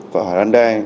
của hà lan đen